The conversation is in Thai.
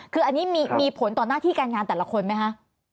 คืออันนี้มีผลต่อหน้าที่การงานแต่ละคนไหมคะ